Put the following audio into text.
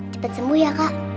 cepet sembuh ya kak